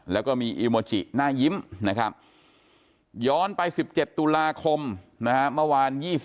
แล้วก็มีอีโมจิหน้ายิ้มนะครับย้อนไป๑๗ตุลาคมนะฮะเมื่อวาน๒๕